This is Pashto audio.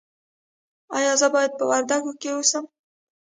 ایا زه باید په وردګو کې اوسم؟